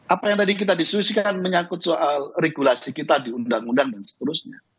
apa yang tadi kita diskusikan menyangkut soal regulasi kita di undang undang dan seterusnya